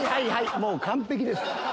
もう完璧です。